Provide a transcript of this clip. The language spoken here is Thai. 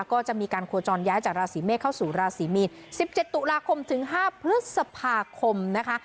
ก็จะมีการโคจรย้ายจากราศีเมษเข้าสู่ราศีมีน๑๗ตุลาคมถึง๕พฤษภาคมนะคะ